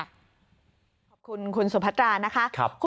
ขอบคุณคุณสุพัตรานะคะ